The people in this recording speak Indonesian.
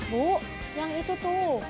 bu yang itu tuh